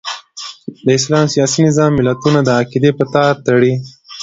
د اسلام سیاسي نظام ملتونه د عقیدې په تار تړي.